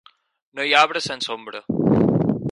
No hi ha arbre sense ombra.